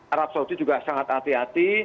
arab saudi juga sangat hati hati